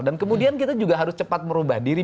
dan kemudian kita juga harus cepat merubah diri